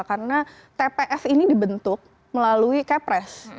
karena tpf ini dibentuk melalui kepres